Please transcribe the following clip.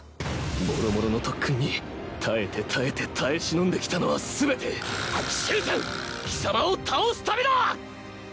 もろもろの特訓に耐えて耐えて耐え忍んできたのは全て終ちゃん貴様を倒すためだ！